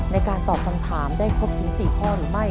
ในการตอบคำถามได้ครบถึง๔ข้อหรือไม่